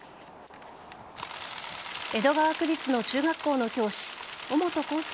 江戸川区立の中学校の教師尾本幸祐